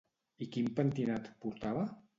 I quin pentinat portava?